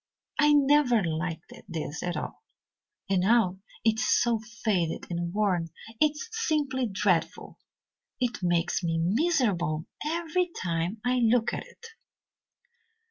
I never liked this at all, and now it is so faded and worn it is simply dreadful. It makes me miserable every time I look at it."